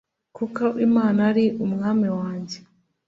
kuko imana ari umwami wanjye